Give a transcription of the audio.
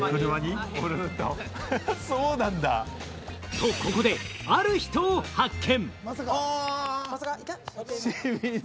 と、ここである人を発見！